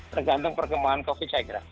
tergantung perkembangan covid saya kira